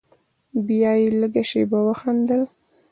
بيا يې لږه شېبه وخندل.